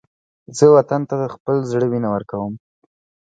زه وطن ته د خپل زړه وینه ورکوم